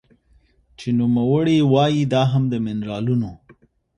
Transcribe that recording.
چې نوموړې وايي دا هم د مېنرالونو